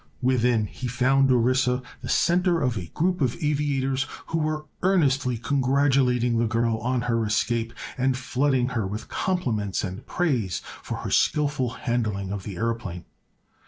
Within he found Orissa the center of a group of aviators who were earnestly congratulating the girl on her escape and flooding her with compliments and praise for her skillful handling of the aëroplane.